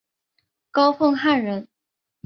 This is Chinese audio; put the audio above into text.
高凤翰人。